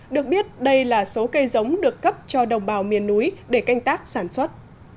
được biết đây là số cây giống được cấp cho đồng bào miền núi để canh tác sản xuất